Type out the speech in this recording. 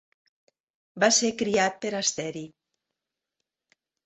Va ser criat per Asteri.